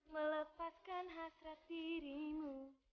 melepaskan hasrat dirimu